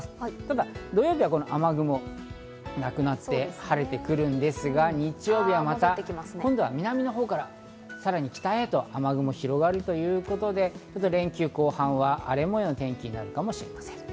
ただ土曜日はこの雨雲なくなって晴れてくるんですが日曜日はまた、今度は南のほうからさらに北へと雨雲が広がるということで、連休後半は荒れ模様の天気になるかもしれません。